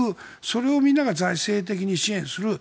それをみんなが財政的に支援する